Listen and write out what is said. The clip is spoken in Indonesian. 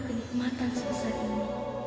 kenikmatan sebesar ini